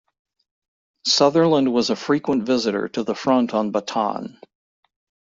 Sutherland was a frequent visitor to the front on Bataan.